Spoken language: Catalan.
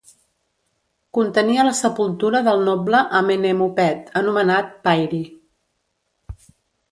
Contenia la sepultura del noble Amenemopet anomenat Pairy.